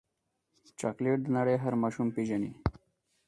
چاکلېټ د نړۍ هر ماشوم پیژني.